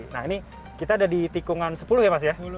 nah ini kita ada di tikungan sepuluh ya mas ya